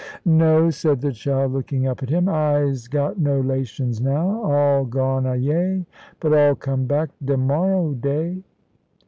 "No," said the child, looking up at him, "I'se got no 'lations now; all gone ayae; but all come back de morrow day."